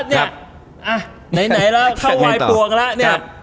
ไหนเข้าว้ายปวงเลย